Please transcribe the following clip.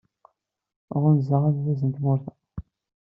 Ɣunzaɣ alzazen n tmurt-a.